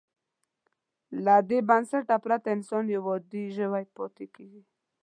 له دې بنسټه پرته انسان یو عادي ژوی پاتې کېږي.